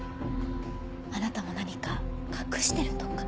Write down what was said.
あなたも何か隠してるとか？